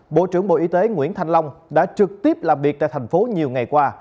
bộ trưởng bộ y tế nguyễn thanh long đã trực tiếp làm việc tại thành phố nhiều ngày qua